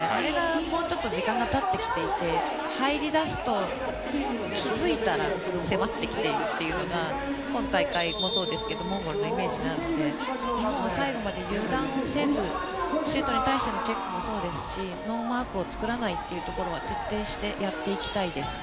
今、まだ打ってるのは打っているのであれがもうちょっと時間がたってきていて入り出すと気付いたら迫ってきているというのが今大会もそうですがモンゴルのイメージになるので今は最後まで油断せずシュートに対してのチェックもそうですしノーマークを作らないというところは徹底してやっていきたいです。